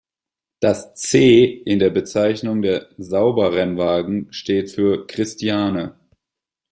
Das „C“ in der Bezeichnung der Sauber-Rennwagen steht für Christiane.